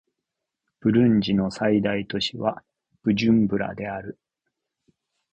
ブルンジの最大都市はブジュンブラである